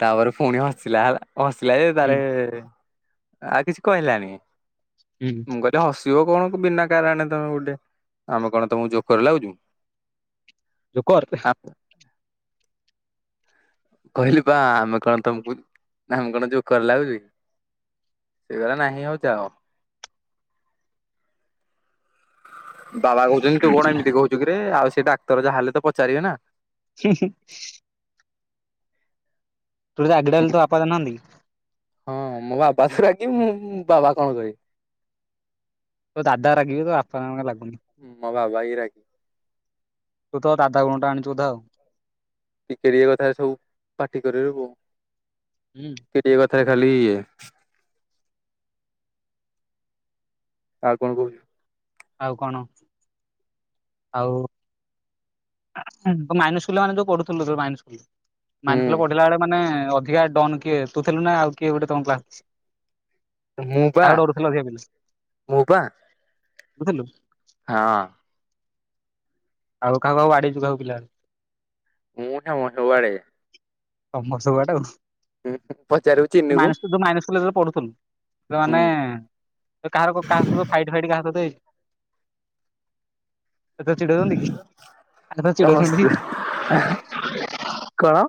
ତା'ପରେ ଫୁଣି ହସିଲା, ହସିଲା ଯେ ହୁଁ ତାରେ ଆଉ କିଛି କହିଲାନି? ହୁଁ ମୁଁ କହିଲି ହେ ହସିବ କଣ ବିନା କାରଣେ ତମେ ଗୁଟେ! ଆମେ କଣ ତମକୁ ଜୋକରେ ଲାଗୁଛୁ? ହ ଯୋକର୍! କହିଲି ବା ଆମେ କଣ ତମକୁ ନାମ କଣ ଯୋଉ କର [unintelligible] ସେ [unintelligible] ନାହିଁ ଆଉ [unintelligible] ବାବା କହୁଛନ୍ତି ତୁ କଣ ଏମିତି କହୁଚୁ କିରେ ଆଉ ସେ ଡାକ୍ତର ଯାହା ହେଲେ ତ ପଚାରିବେ ନା। ହିଁ ହି। ତୁ ଆଗ [unintelligible] ତୋ ବାପା [unintelligible] ହଁ ମୋ ବାବା ତ ରହିବେ ମୁଁ ବାବା ଙ୍କୁ କହେ। ତୋ ଦାଦା ରାଗିବେ ତୋ ବାପା ଲାଗୁନି। ମୋ ବାବା ହିଁ ରାଗି ତୁ ତୋ ଦାଦା ଗୁଣଟା ଆଣୁଚୁ ଆଉ। ଟିକେ ଟିକେ କଥାରେ ସବୁ ପାଟି କରିଦୋଉ। ହୁଁ। ଟିକେ ଟିକେ କଥାରେ ଖାଲି ଆଉ [unintelligible] ଆଉ କଣ? ଆଉ ମାଇନର ସ୍କୁଲ ମାନେ ଯୋଉ ପଢୁଥିଲୁ ମାଇନର ସ୍କୁଲ ହୁଁ ପଢିଲା ବେଳେ ମାନେ ଅଧିକ ଡନ କିଏ ତୁଥିଲୁ ନା ଆଉ କିଏ ଗୋଟେ ତ ମୁଁ ପା କାହାକୁ ମୁଁ ପା [unintelligible] ହଁ। ଆଉ କାହାକୁ କାହାକୁ ବାଡେଇଚୁ ପିଲା [unintelligible] ମୁଁ [unintelligible] [unintelligible] [unintelligible] ମାଇନର ପଚାରିବୁ ଚିନୁକୁ ସ୍କୁଲ କବେ ପଢୁଥିଲୁ ତ ମାନେ କାହାର କା ଫାଇଟ ଫାଇଟ କାହା ସହିତ ତ ହସ [unintelligible] କଣ?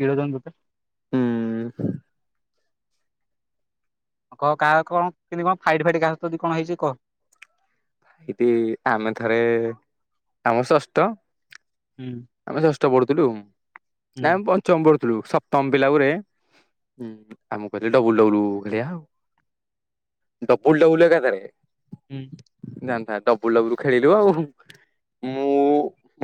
ଚିଡୋ [unintelligible] ହୁଁ। କହ କାହା କଣ [unintelligible] କଣ ଫାଇଟ୍ ଫାଇଟ କା ଯଦି କଣ ହେଇଛି କହ। ଏଇଠି ଆମେ ଥରେ ଆମ ଷଷ୍ଠ ହୁଁ। ଆମେ ଷଷ୍ଠ ପଢୁଥିଲୁ ହୁଁ ନା ଆମେ ପଞ୍ଚମ ପଢୁଥିଲୁ ସପ୍ତମ ପିଲା ଗୁରେ ହୁଁ ଆମକୁ କହିଲି ଡବୁଲ ଡବୁଲ ଖେଳିବା ଆଉ ଡବୁଲ୍ ଡବୁଲ୍ [unintelligible] ହୁଁ। ଡବୁଲ୍ ଡବୁଲ ଖେଳି [unintelligible] ମୁଁ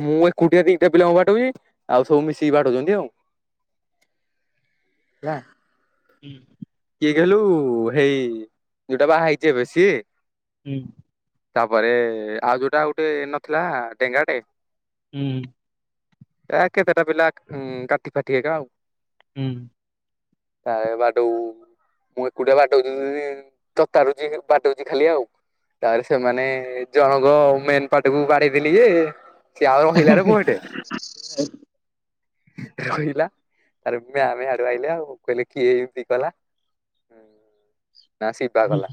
ମୁଁ ଏ କୋଟିଆ ଦିଇଟା ପିଲାଙ୍କୁ ବାଡୋଉଛି ଆଉ ସବୁ ମିଶିକି ବାଡୋଉଛନ୍ତି ଆଉ। ହେଲା। ହୁଁ। କିଏ କଲୁ ହେଇ ଯୋଉଟା ବାହା ହେଇଛି ସେ। ହୁଁ। ତାପରେ ଆଉ ଯୋଉଟା ଗୋଟେ ନଥିଲା ଡେଙ୍ଗାଟେ ହୁଁ। ଏ କେତେଟା ପିଲା ଉ କାଟି ଫାଟି ହେ ଏକ ଆଉ। ହୁଁ। [unintelligible] ମୁଁ ଏକୁଟିଆ ବାଟଉଛି ତତାରୁଛି ବାଟଉଛି ଖାଲି ଆଉ। ତାପରେ ସେମାନେ ଜଣଙ୍କ ମେନ୍ ପାଟ୍ କୁୁ ବାଡେଇଦେଲି ଯେ ସେ ଆ ରହିଲାର [unintelligible] ରହିଲା ତାର ମୟ ମାମ୍ ହେୟାଡୁ ଆଇଲେ ଆଉ କହିଲେ କିଏ ଏମିତି କଲା? ନା ଶିବା କଲା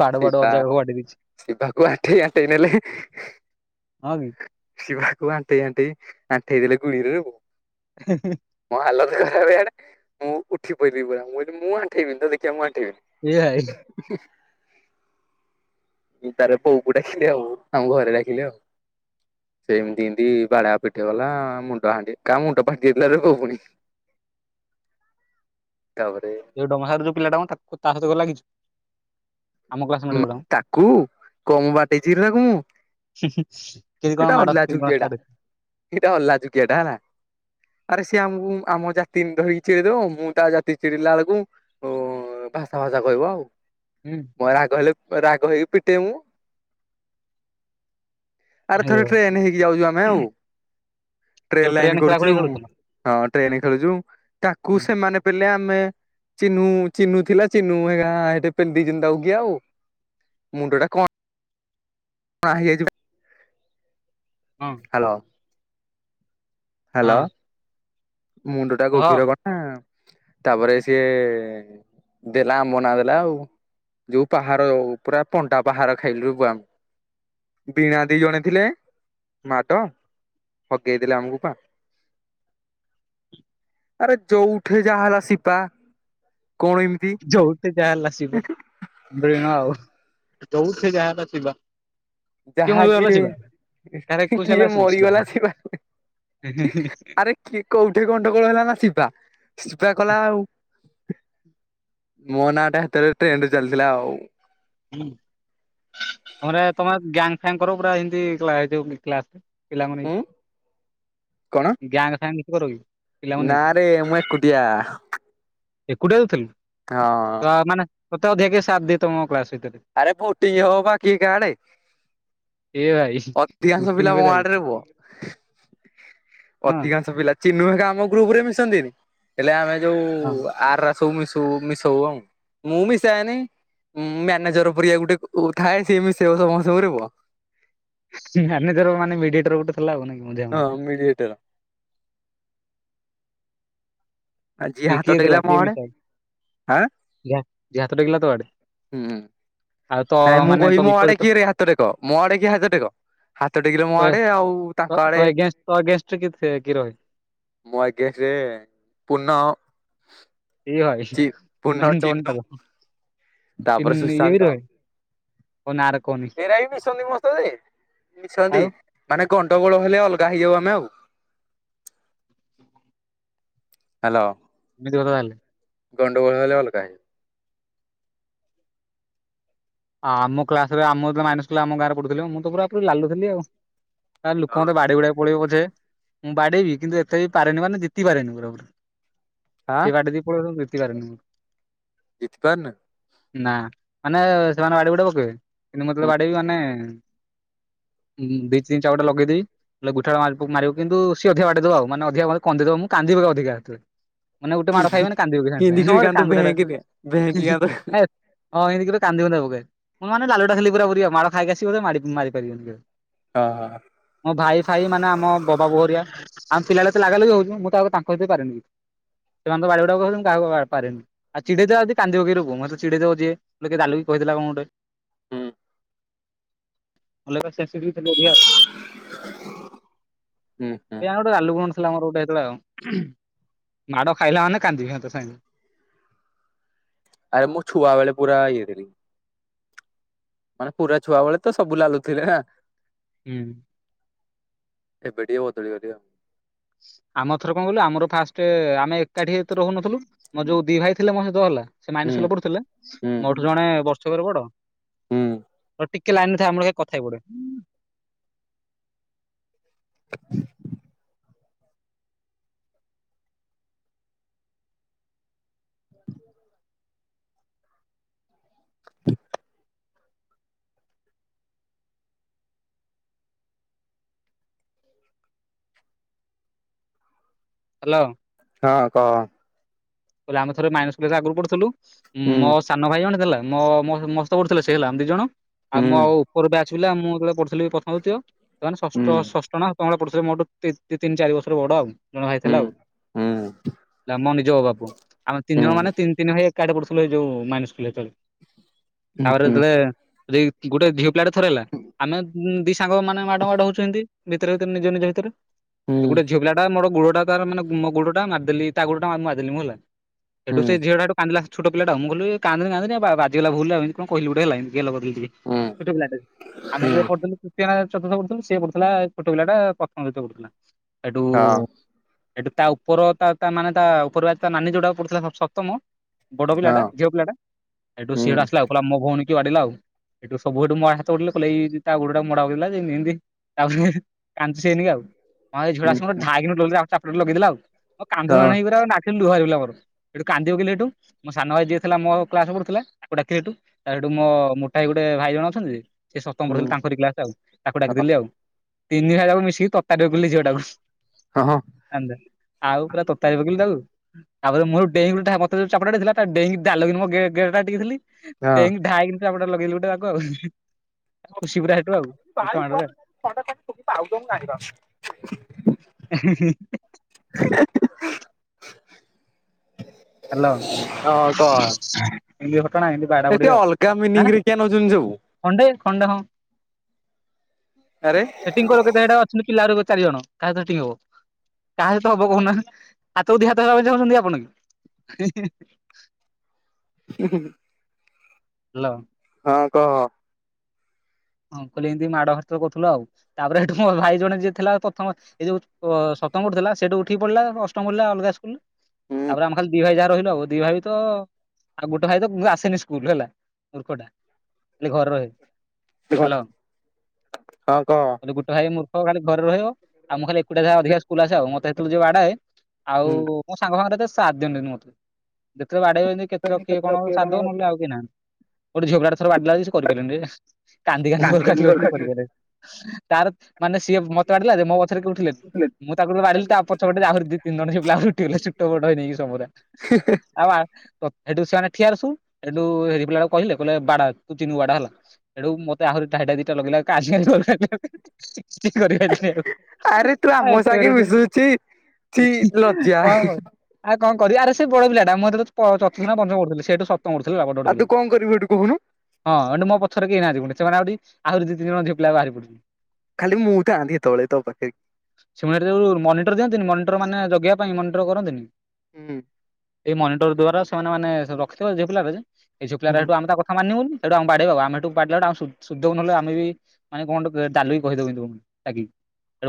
ବାଡ ବାଡ ଶିବା। ଅଜାକୁ ବାଡେଇ ଦେଇଛି ଶିବାକୁ ଆଣ୍ଠେଇ ଆଣ୍ଠେଇ ନେଲେ। ହଁ କି। ଶିବାକୁ ଆଣ୍ଠେଇ ଆଣ୍ଠେଇ ଆଣ୍ଠେଇ ଦେଲେ ଗୁଳିରେ ଆଉ। ହୁଁ ହୁଁ। ମୋ ହାଲତ ଖରାପ୍ ଏଇଆଡେ ମୁଁ ଉଠି ପଇଲି ପୁରା ମୁଁ କହିଲି ମୁଁ ଆଣ୍ଠେଇବିନି ତ ଦେଖିବା ମୁଁ ଏ ଭାଇ ଆଣ୍ଠେଇବିନି।। [unintelligible] ଏ ତାର ବୋଉକୁ ଡାକିଲେ ଆଉ ଆମ ଘରେ ଡାକିଲେ ଆଉ। ସେମିତି ଏମିତି ବାଡାପିଟା କଲାମୁଣ୍ଡ ହାଣ୍ଡି କାହା ମୁଣ୍ଡ ଫାଟି ଯାଇଥିଲାରେ ପୁଅ ପୁଣି। ତାପରେ ଯୋଉ ଡମ ସାହିରୁ ଯୋଉ ପିଲା ଟା ମ ତାକୁ ତା ସହିତ କଣ ଲାଗିଛୁ। ଆମ କ୍ଲାସମେଟ ମା ଯୋଉଟା ମ ତାକୁ କମ୍ ବାଡେଇଛିକି ରେ ତାକୁ ମୁଁ। ହୁଁ ହୁଁ କେମିତି ଏଇଟା କଣ ମାଡ ଖାଇନି ଅଲାଜୁକିଆ କଣ ଟା ସାରେ। ଏଇଟା ଅଲାଜୁ କିଆଟା ହେଲା। ଆରେ ସିଏ ଆମକୁ ଆମ ଜାତି ନି ଧରିକି ଚିଡେଇଦବ ମୁଁ ତା ଜାତି ଚିଡ଼େଇଲା ବେଳକୁ ଓ ଭାଷା ଫାସା କହିବ ଆଉ। ହୁଁ। ମୋ ରାଗ ହେଲେ ରାଗ ହେଇକି ପିଟେ ମୁଁ। ଆରେ ହେଇବ ଥରେ ଟ୍ରେନ୍ ହେଇକି ଯାଉଛୁ ଆମେ ଆଉ। ଟ୍ରେନ୍ ଯୋଉ ଲାଇନ୍ ଟ୍ରେନ ଖେଳା ଖେଳି କରୁଛୁ ଖେଳୁଥିଲ ହଁ ଟ୍ରେନ୍ ଖେଳୁଛୁ ତାକୁ ହୁଁ। ସେମାନେ ପିଲେ ଆମେ ଚିନୁ ଚିନୁ ଥିଲା ଚିନୁ ହେରିକା ହେଠେ ପେଲ ଦେଇଛନ୍ତି ତା କୁ ଏ ଆଉ ମୁଣ୍ଡ ଟା କ କଣା ହେଇ ଯାଇଛି ହଁ। Hello hello. ହଁ ମୁଣ୍ଡ ଟା କହ ଗଭୀର କଣା ତାପରେ ସିଏ ଦେଲା ଆମନା ଦେଲା ଆଉ ଯୋଉ ପାହାର ପୁରା ପଣ୍ଡା। ପାହାର ଖାଇଲୁରେ ପୁଅ ଆମେ। ବୀଣା ଦି ଜଣେ ଥିଲେ ମାଡ ହଗେଇ ଦେଲେ ଆମୁକୁ ପା। ଆରେ ଯଉ ଠେଇ ଯାହା ହେଲା ସିପା କଣ ଇନ୍ ଯୋଉଠି ଯା ହେଲା ଶିବ ବିଣ ଆଉ ଯୋଉଠି ଯାହା ହେଲା ସିବା। କିଏ ଯାହା ମରିଗଲା ଯିଏ ଶିବା କାହାର ଏକୋଇଶିଆ କିଏ ହେଲା ସୁ ଶିବା। ମରିଗଲା ସିପା ହିଁ ହିଁ ହିଁ ଆରେ କିଏ କୋଉଠିରେ ଗଣ୍ଡଗୋଳ ହେଲା ନା ଶିବା ଶିବା କଲା ଆଉ। ମୋ ନାଁ ଟା ହେତେବେଳେ ଟ୍ରେଣ୍ଡରେ ଚାଲିଥିଲା ଆଉ। ହୁଁ ତମରେ ତମେ ଗ୍ୟାଙ୍ଗ ଫ୍ୟାଙ୍ଗ କର ପୁରା ହିନ୍ଦୀ କ୍ଲା ଏ ଯୋଉ କ୍ଲାସ ରେ। ପିଲାଙ୍କୁ ନେଇ ଉଁ ଗ୍ୟାଙ୍ଗ ଫ୍ୟାଙ୍ଗ କିଛି କରୁ କି? ପିଲାଙ୍କୁ ନାଁ ନେଇକି ରେ ମୁଁ ଏକୁଟିଆ। ଏକୁଟିଆ ତୁଥିଲୁ? ହଁ। ଅ ମାନେ ତତେ ଅଧିକା କିଏ ସାଥ ଦିଏ ତମ କ୍ଲାସ୍ ଭିତରେ? ଆରେ ବୋଟିଙ୍ଗ ହବ ପା କିଏ କା ଆଡେ। ଏ ଭାଇ ଅଧିକାଂଶ ବୁଟିଂ ପିଲା ମୋ କରିଦେଲୁ ଆଡରେ ପୁଅ ହଁ ଅଧିକାଂଶ ପିଲା ଚିନୁ ହେକା ଆମ ଗ୍ରୁପ୍ ରେ ମିଶନ୍ତିନି ହେଲେ ଆମେ ଯୋଉ ହଁ ଆର ରା ସବୁ ମିସଉ ମିସଉ ଆଉ ମୁଁ ମିସାଏନି ମୁଁ ମ୍ୟା ନେଜର ପରିଆ ଗୋଟେ ଓ ଥାଏ ସିଏ ମିଶେଇବ ସମସ୍ତଙ୍କୁ ରେ ପୁଅ। ମ୍ୟାନେଜର ମାନେ ମିଡିଏଟର ଗୋଟେ ଥିଲା ନୁହେଁ କି ମଝା ମଝି। ମିଡ଼ିିଏଟର ଆ ଯିଏ କିଏ ହାତ କିଏ ଥିଲା ଟେକିଲା ମ କିଏ ଆଡ଼େ ମିଶା ଆଁ ଯାହା ଯାହା ହାତ ଟେକିଲା ତୋ ଆଡେ ହୁଁ। ଆଉ ତ ନାଇଁ ମୁଁ ମାନେ କିହିବି ତୋ ମୋ ଆଡେ ବିପରୀତ କିଏରେ ହାତ ଟେକ ମୋ ଆଡେ କିଏ ହାତ ଟେକ। ହାତ ଟେକିଲେ ମୋ ତୋ ଆଡେ ଆଉ ତୋ ତାଙ୍କ ତୋ ଆଡେ ଏଗେନଷ୍ଟ ତୋ ଏଗେନଷ୍ଟରେ କିଏ ଥି- କିଏ ରହେ ମୋ ଏଗେଷ୍ଟରେ ପୁନ ଏଇ ଭାଇ ପୂର୍ଣ୍ଣ, ମେନ୍ ଡନ୍ ଟା ଚିନୁ, ତ। ତାପରେ ସୁଶାନ୍ତ କୋଉ ନାଁରେ କହନି। ସେରା ବି ମିଶନ୍ତି ମୋ ସହିତ ଯେ ମିଶନ୍ତି ଆଉ ମାନେ ଗଣ୍ଡଗୋଳ ହେଲେ ଅଲଗା ହେଇଯାଉ ଆମେ ଆଉ ହ୍ୟାଲୋ। ଏମିତି କଥା ତାହେଲେ ଗଣ୍ଡଗୋଳ ହେଲେ ଅଲଗା ଆମ କ୍ଲାସରେ ଆମ ଯେତେବେଳେ ମାଇନସ୍ ଥିଲା ଆମ ଗାଁରେ ପଢ଼ୁଥିଲି ମୁଁ ତ ପୁରା ପୁରି ଲାଲୁ ଥିଲି ଆଉ। ଲୋକ ମତେ ବାଡେଇ ବୁଡ଼ାକି ପଳେଇବ ପଛେ ମୁଁ ବାଡେଇବି କିନ୍ତୁ ଏତେ ବି ପାରେନି ମାନେ ଜିତି ପାରେନି ପୁରାପୁରି। ଆଁ ସେ ବାଡେଇ ଦେଇ ପଳେଇବ ଜିତିପାରେନି ମୁଁ। ଜିତିପାରୁନ? ନା, ମାନେ ସେମାନେ ବାଡେଇ ବୁଡ଼ା ପକେଇବେ। କିନ୍ତୁ ମୁଁ ଯେତେବେଳେ ବାଡେଇବି ମାନେ ଦି ତିନି ଚାପୁଡ଼ା ଲଗେଇଦେବି। ଗୁଠାଟା ମାରିବ କିନ୍ତୁ ସିଏ ଅଧିକ ବାଡେଇ ଦେବ ମାନେ ଅଧିକା ମତେ କନ୍ଦେଇ ଦେବ ମୁଁ କାନ୍ଦିପକାଏ ଅଧିକା ମାନେ ଗୋଟେ କି ମାଡ ଖାଇବି ମାନେ କାନ୍ଦି ପକେଇବି ସାଙ୍ଗେ କିନ୍ତି ସାଙ୍ଗ, କିରି ମୋର କାନ୍ଦୁ କାନ୍ଦରୁଟା ଭେଙ୍କିଦେ ହିଁ ଭେଙ୍କି ହିଁ କାନ୍ଦୁ ହଁ ଏମିତି କେବେ କାନ୍ଦି କୁନ୍ଦା ପକାଏ, ମୁଁ ମାନେ ଲାଲୁଟା ଖାଲି ପୁରା ପୁରି, ମାଡ ଖାଇକି ଆସିବେ ମା ମାରି ପାରିବନି କେବେ ହଁ ହଁ। ମୋ ଭାଇ ଫାଇ ମାନେ ଆମ ବବା ବୋଉ ଘରିଆ ଆମ ପିଲାବେଳେ ଏତେ ଲାଗା ଲାଗି ହଉଛି ମୁଁ ତ ଆଉ ତାଙ୍କ ଭିତରେ ପାରେନି କିଛି। ସେମାନେ ତ ବାଡେଇ ବୁଡା କଉଛନ୍ତି କାହାକୁ ପାରେନି? ଆଉ ଚିଡ଼େଇ ଦେବା ଯଦି କାନ୍ଦିପକେଇବି ରେ ପୁଅ ମୋତେ ଚିଡେଇ ଦେବ ଯିଏ ଗାଲୁ କରି କହିଥଦେଲା କଣ ଗୋଟେ? ହୁଁ ଭଲ ସେନ୍ସିଟିବି ଥିଲୁ ଅଧିକା ହୁଁ ହଁ। କେଜାଣି ଗୋଟେ ଗାଲୁ ପଣ ଥିଲା ଆମର ଗୋଟେ ସେତେବେଳେ ଆଉ, ମାଡ ଖାଇଲା ମାନେ କାନ୍ଦିବି ସାଙ୍ଗେ ଆରେ ମୁଁ ଛୁଆ ବେଳେ ପୁରା ଇଏ ଥିଲି। ମାନେ ପୁରା ଛୁଆ ବେଳେ ତ ସବୁ ଲାଲୁଥିଲେ ହେଁ। ହୁଁ। ଏବେ ଟିକେ ବଦଳି ଗଲି ଆଉ ଆମ ଥର କଣ କହିଲୁ ଆମର ଫାଷ୍ଟ ଆମେ ଏକାଠି ଏତେ ରହୁନଥିଲୁ, ମୋ ଯୋଉ ଦି ଭାଇ ଥିଲେ ମୋ ସହିତ ହେଲା ସେ ହୁଁ। ମାଇନରସ୍କୁଲ ପଡୁଥିଲେ ହୁଁ ମୋଠୁ ଜଣେ ବର୍ଷକର ବଡ। ହୁଁ ଟିକେ ଲାଇନରେ ଥାଆ ମୁଁ ଟିକେ କଥା ହେଇ ପଡେ। ହ୍ୟାଲୋ। ହଁ କହ? କହିଲୁ ଆମ ଥରେ ମାଇନର୍ସ ଆଗରୁ ପଢୁଥିଲୁ, ହୁଁ ମୋ ସାନ ଭାଇ ଜଣେ ଥିଲା ମୋ ମୋ ସହ ପଢୁଥିଲେ ସେଇ ହେଲା, ଆମେ ଦି ଜଣ, ଆଉ ହୁଁ ମୋ ଉପର ବ୍ୟାଚ ପିଲା ମୁଁ ଯେତେବେଳେ ପଢ଼ୁଥିଲି ପ୍ରଥମ, ଦିତୀୟ ସେମାନେ ହୁଁ ଷଷ୍ଠ ଷଷ୍ଠ ନା ସପ୍ତମ ପଢ଼ୁଥିଲେ ମୋଠୁ ଦୁ ତିନି ଚାରି ବର୍ଷର ବଡ ଆଉ ଜଣେ ଭାଇ ହୁଁ ଥିଲା ଆଉ ହୁଁ ଦାମ ମୋ ନିଜ ବାପା ପୁଅ। ଆମେ ହୁଁ ତିନି ଜଣ ହୁଁ ମାନେ ତିନି ତିନି ଭାଇ ଏକାଠି ପଢ଼ୁଥିଲେ ସେଇ ଯୋଉ ମାଇନର୍ସ୍ ସ୍କୁଲ ରେ ସେତେବେଳେ, ହୁଁ ତାପରେ ହୁଁ ଯେତେବେଳେ ଗୋଟେ ଝିଅ ପିଲାଟେ ଥରେ ହେଲା ଆମେ ଦି ସାଙ୍ଗ ମାନେ ମାଡ ମାଡ ହଉଛୁ ଏନ୍ତୀ। ଭିତରେ ଭିତରେ ନିଜ ନିଜ ଭିତରେ। ଗୋଟେ ହୁଁ ଝିଅ ପିଲାଟା ମୋର ଗୋଡଟା ତାର ମାନେ ମୋ ଗୋଡଟା ମାରିଦେଲି ତା ଗୋଡଟା ମାରିଦେଲି ମୁଁ ହେଲା ହୁଁ ସେଠୁ ହୁଁ ସେ ଝିଅଟା କାନ୍ଦିଲା ଛୋଟପିଲାଟା ମୁ କହିଲି କାନ୍ଦେନି କାନ୍ଦେନି ବାଜିଗଲା ଭୁଲ ଏଇ କଣ କହିଲ ଗୋଟେ ହେଲା ଛୋଟ ପିଲା ଟେ। ଆମେ ଯେତେବେଳେ ହଁ ପଢୁଥିଲୁ ତୃତୀୟ ଚତୁର୍ଥ ପଢୁଥିଲୁ ସିଏ ପଢୁଥିଲା ଛୋଟ ପିଲାଟା ପ୍ରଥମ ଦିତୀୟ ପଢୁଥିଲା। ସେଠୁ ଏଠୁ ତା ଉପର ତା ତା ମାନେ ତା ଉପର ବ୍ୟାଚ ତା ନାନୀ ଯୋଉଟାକୁ ପଡୁଥିଲା ସ ସପ୍ତମ ବଡ ହଁ ପିଲାଟା ଝିଅ ପିଲାଟା ଏଇଠୁ ହୁଁ ସିଡା ଆସିଲା ପିଲା ମୋ ଭଉଣୀକି ବାଡିଲା ଆଉ ଏଠୁ ସବୁ ଏଠୁ ମୋ ଆଡେ ହାତ ଉଠେଇଲେ କଲେ ଏଇ ଏଇ ତା ଗୋଡଟା ମଡ଼ା ହଉଥିଲା ଯେ ଏମତି ତାପରେ କାନ୍ଦସେନି ଆଉ ହଁ ଝିଅଟେ ହୁଁ ଆସିକି ଧାଏଁ କିନି ଗୋଟେ ଚାପୁଡା ଲଗେଇଦେଲା ଆଉ ମୁଁ କାନ୍ଦୁନୁ ହଁ ମାନ୍ଦୁନୁ ହେଇକି ମୋ ଆଖିରୁ ଲୁହ ବାହାରି ଗଲା ଆଉ ଏଠୁ କାନ୍ଦି ପକେଇଲେ ଏଠୁ ମୋ ସାନ ଭାଇ ଯିଏ ଥିଲା ମୋ କ୍ଲାସରେ ପଢୁଥିଲା ତାକୁ ଡାକିଲି ସେଠୁ ତାପରେ ସେଠୁ ମୋ ମୋଟା ହେଇକି ଗୋଟେ ଭାଇ ଜଣ ଅଛନ୍ତିଯେ ସେ ସପ୍ତମ ହୁଁ ପଢ଼ୁଥିଲେ ତାଙ୍କରି କ୍ଲାସ ଆଉ ତାକୁ ହଁ ଡାକିଦେଲି ଆଉ ତିନିିଜଣ [unintelligible] ମିଶିକି [unintelligible] ଝିଅଟାକୁ। ହଁ ହଁ। ଆଣିଦେ ଆଉ ପୁରା ତତାରୀ ପକେଇଲେ ତାକୁ ତାପରେ ମୁହେଟୁ ଡେଇଁ ଡ଼ା ମତେଯୋଉ ଚାପୁଡ଼ଟେ ଦେଲା ତା ଡେଇଁକି ଦାଲୋଉକିନା ମୁଗେ ଗେଡ଼ାଟାଟିକ ଥିଲି ଡେଇଁକି ଡ଼ାକିନା ଚାପୁଡ଼ା ଲଗେଇଲି ଗୋଟେ ତାକୁ ଆଉ। ଖୁସି ପୁରା ସେଠୁ ଆଉ ଗୋଟେ [unintelligible] ମାଡ଼ରେ ମୁଁ ଜାଣିପାରୁନି। [unintelligible] [inaudible] ହାଲୋ ହଁ କହ ଏମିତି ଘଟଣା ଏ ଏତେ ଅଲଗା ମିନିଂରେ କିଆ ନୋଉଚନ୍ତି ଯୋଉ ଖଣ୍ଡେ ଖଣ୍ଡେ ହଁ ଆରେ ସେଟିଂ କର ସେଇଟା ଅଛନ୍ତି ପିଲାଆହୁରି ଚାରିଜଣ କାସହିତ ସେଟିଂ ହବ? କାହା ସହିତ ହବ କହୁନାହା ହାତକୁ ଦିହାତ ହେବା ପାଇଁ ଚାହୁଁଛନ୍ତି ଆପଣକି? [unintelligible] ହୁଁ ହୁଁ। ହାଲୋ। ହଁ କହ? ଅଙ୍କଲ ଏମିତି ମାଡ଼ ହାଡ଼ତ କରୁଥିଲୁ ଆଉ ତାପରେ ହେଠୁ ମୋର ଭାଇ ଜଣେ ଯିଏ ଥିଲା ପ୍ରଥମ ଏଇ ଯୋଉ ଅ ସପ୍ତମରେ ଥିଲା ସେଠୁ ଉଠିକି ପଳିଲା ଅଷ୍ଟମ ପଡ଼ିଲା ଅଲଗା ସ୍କୁଲ୍ ତାପରେ ହୁଁ ଆମ ଖାଲି ଦିଭାଇ ଯାହା ରହିଲୁ ଦିଭାଇ ତ ଆଉ ଗୋଟେ ଭାଇତ ଆସେନି ସ୍କୁଲ୍ ହେଲା ମୂର୍ଖଟା ଖାଲି ଘରେ ରହେ। ହାଲୋ ହଁ କହ ଗୋଟେ ଭାଇ ମୂ ହଁ ଖାଲି ଘରେ ରହିବ ଆଉ ମୁଁ ଖାଲି ଆକୁଡ଼ିଆ ଯାହା ଅଧିକା ସ୍କୁଲ୍ ଆସେ ଆଉ ମତେହେତଳୁ ଯୋଉ ବାଡ଼ାଏ ଆଉ ହୁଁ ମୋ ସାଙ୍ଗମାନେ ସାଥ୍ ଦଅନ୍ତିନି ମତେ ଯେତେଳେ ବାଡ଼େଇ ଏମିତି କେତେ କିଏ କଣ ସ ସାଥ୍ ଦେଉ ନହେଲେ ଆଉ କେହି ନାହାନ୍ତି ଗୋଟେ ଝିଅପିଲାଟେ ଗୋଟେଥର ବାଡିଲାଯେ ସେ କରିପାରଲାନି କନ୍ଦି କାନ୍ଦି [unintelligible] କରିପାରିଲାନି। ତାର ମାନେ ସିଏ ମତେ ବାଡିଲାଯେ ମୋପଛରେ କେହିଉଠିଲେନି। ମୁଁ ତାକୁୁ ବାଡିଲି ତାପଛପଟେ ଆହୁରି ଦି ତିନିଜଣ ଝିଅ ପିଲା ଉଠିଗଲେ ଛୋଟ ବଡ଼ ନେଇକି ସବୁଅରା। ଆଉ ଆ ସେଠୁ ସେମାନେ ଠିଆହେଲେ ସବୁ ସେଠୁ ହେରି ପିଲାଟାକୁ କହିଲେ କହିଲେ ବାଡା ତୁ ଚିନୁକୁ ବାଡ଼ା ହେଲା ଏଠୁ ମତେ ଆହୁରି ଠାଏ ଠାଏ ଦିଟା ଲଗେଇଲା ଆରେ ତୁ ଆମ ସାଙ୍ଗେ [unintelligible] ମିଶୁଛି ଛି [unintelligible] କଣ ଲଜ୍ଜା [unintelligible] ଆଉ କଣ କରିବା ଆରେ ସେବଡ଼ ପିଲାଟା ମୁହେତେଳେ ପ ଚତୁର୍ଥ ପଞ୍ଚମ ପଢ଼ୁଥିଲି ସେଇଠୁ ସପ୍ [unintelligible] ହଁ ସେଠୁ ଆଉ ତୁ କଣ କରିବୁ ଏଠୁ କହୁନୁ ମୋ ପ ପଛରେ କେହିନାହାନ୍ତି ପୁଣି ସେମାନେ ଆହୁରି ଆହୁରି ଦି ତିିନି ଜଣ ଝିଅ ପିଲା ବାହାରି ପଢ଼ୁଛନ୍ତି। ଖାଲି ମୁଁ ଥାଆନ୍ତି ହେତଳେ ତୋପାଖରେ? ସେମାନେ ଯୋଉ ମନିଟର ଦିଅନ୍ତିି ମନିଟର ମାନେ ଜଗିବା ପାଇଁ ମନିଟର କରନ୍ତିନି? ହୁଁ। ଏଇ ମନିଟର ଦ୍ଵାରା ସେମାନେ ମାନେ ରଖିଥିବା ଝିଅପିଲା [unintelligible] ଏଇଝିଅପିଲା ହୁଁ। ଏଇଠୁ ଆମେତା ମାନିବୁନି ଏଠୁ ଆମ ବାଡ଼େଇବ ଆମେ ହେ [unintelligible] ଶୁଦ୍ଧିଦବୁ ନହେଲେ ଆମେବି ମାନେ କଣ ଗୋଟେ ଦାଲୁକି କହିଦେଉି ଲାଗିବ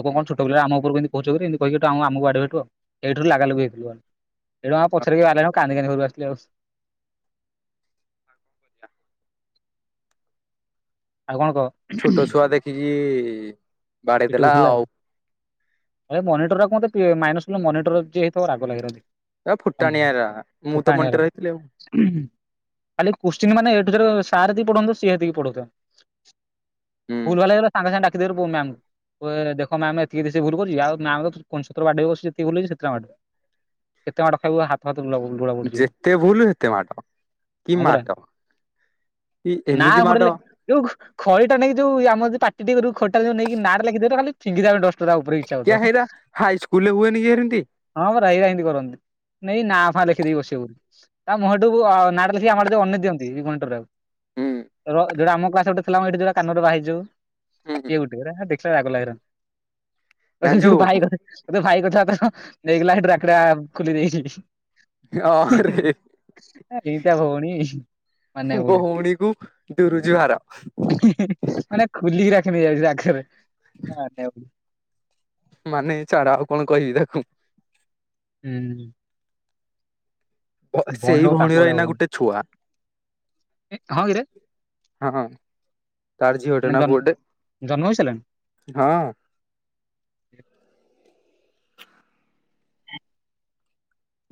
ହେଟୁ କଣ ଛଟ ପିଲା ଆମକୁ କେହି କୋହୁଚହେରି ଏମିତି କହିି ଆମ ଆମକୁ ବାଡ଼େଇବେ ଏଇଠୁ ଲାଗାଲାଗିଇଥିଲିବ। ସେଇଠୁ ଆମ ପଛରେକେହି ଆସିଲେଣି କାନ୍ଦି କାନ୍ଦି ଘରକୁ ଆସିଲ ଆଉ। ଆଉ କଣ କହ? ଛୋଟ ଛୁଆ ଦେଖିକି ବାଡେଇ ପିଟୁ ଦେଲା ଥିଲା। ଆଉ ଆ ମନିଟର ଆମତେ ସାଇନ୍ସ ମନିଟର ଯିଏ ହେଇଥିବ ରାଗ ଲାଗେମତେ। ଫୁଟାଣିଆଅରା ମୁଁତ ମନିଟର ହେଇଥିଲି ଆଉ। ଖାଲି କୋସ୍ଚିନ୍ ମାନେ ଏଠୁ ସାର୍ ସେତିକି ପଢନ୍ତୁ ସିଏ ହେତିକି ପଢୁଥାନ୍ତୁ। ଭୁଲ ହୁଁ ଭାଲ୍ ହେଇଗଲେ ସାଙ୍ଗେ ସାଙ୍ଗେ ଡାକି ଦେବେରି ବୋଉ ମ୍ୟାମ। ତୁ ଦେଖ ମ୍ୟାମ ଏତିକି ରେ ଭୁଲ କରୁଚି ଆଉ ନା ତ କୁଞ୍ଚତ୍ର ବାଡିବ ଜେତିକି ଭୁଲ ହେଇଛି ସେଥି ଟା ବାଡେ। କେତେ ମାଡ ଖାଇବୁ ହାତ ହାତ [unintelligible] ଯେତେ ଭୁଲ ସେତେ ମାଡ କି ହଁ ପରା ମାଡ କି ନା ଏମିତି ଗୋଟେ ଲେ ମାଡ। ଯୋଉ ଖଡି ଟା ନେଇକୀ ଯୋଉ ଆମ ପାଟି ଟେ ଖଟା ଯଉ ନେଇକି ନାଟା ଲେଖିଦବ ଖାଲି ଫିଙ୍ଗିଦେବେ ଡଷ୍ଟ ତା ଉପରେ ଇଚ୍ଛା କ ହଉଥିବ। ହେଇରା ହାଇ ସ୍କୁଲ ରେ ହୁଏନି ଏରତି। ହଁ ପରା ଏରା ଏମିତି କରନ୍ତି ନାଇଁ ନାଁ ଫାଁ ଲେଖିଦେଇକି ବସି ତା ମୁହଁଠୁ ନାଟା ଲେଖିକି ଆମ ଆଡେ ଯୋଉ ଅନେଇ ଦିଅନ୍ତି ମଣ୍ଟରେଉ। ର ଯୋଟା ଆମ କ୍ଲାସ୍ ଗୋଟେ ଥିଲା ମ ଯୋଉ କାନରେ ବାହାହେଇଚି ଯୋଉ। ଇଏ ଗୋଟେ ଏରା ଦେଖିଲା ବେଳକୁ ରାଗଲାଗେ, ଆ ସେ ଜାଣିଛୁ ଯୋଉ ଭାଇ ତ ତେ ଭାଇ କଥିଲ ତ ନେଇଗଲା ଏଠିଡାକୁଟା ଖୁଲି ଦେଇିଚି। ଅରେ ଏ ଦିଟା ଭଉଣୀ। ମାନିବାକୁ ପଡିବ। ଭଉଣୀକୁ ଦୁରୁ ଜୁହାର। [unintelligible] ମାନେ ଖୁଲିକି ରଖି ନେଇ ଯାଉଚି ରାଖରେ। ମନିଆକୁ ପଡିବ। ମାନେ ଚାଡ ଆଉ କଣ କହିବି ତାକୁ। ହୁଁ। ଭଉଣୀ ସେଇ ହଉ ତାଙ୍କ ଭଉଣୀର ଭଳିଆ ଏଇନା ଭଉଣୀ ଗୋଟେ ଛୁଆ। ହଁ କିରେ ହଁ, ତାର୍ ଝିଅ ଟେ ମାନେ ନା ପୁଅ ଟେ? ଜନ୍ମ ହେଇସାରିଲାଣି? ହଁ।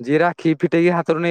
ଯିଏ ରାଖି ଫିଟେଇକି ହାତରୁ ନେଇ